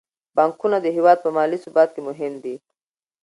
بانکونه د هیواد په مالي ثبات کې مهم دي.